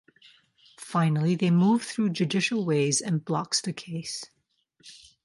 Finally they move through Judicial ways and blocks the case.